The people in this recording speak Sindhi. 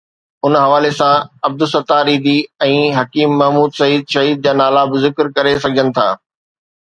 ان حوالي سان عبدالستار ايڌي ۽ حڪيم محمد سعيد شهيد جا نالا به ذڪر ڪري سگهجن ٿا.